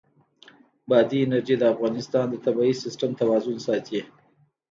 بادي انرژي د افغانستان د طبعي سیسټم توازن ساتي.